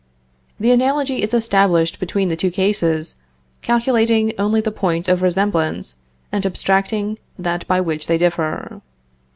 The analogy is established between the two cases, calculating only the point of resemblance and abstracting that by which they differ.